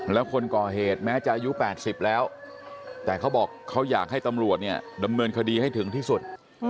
แล้วคนก่อเหตุแม้จะอายุ๘๐แล้วแต่เขาบอกเขาอยากให้ตำรวจเนี่ยดำเนินคดีให้ถึงที่สุด